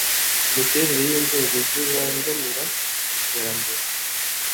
Imiterere y’inzego zibangamira iterambere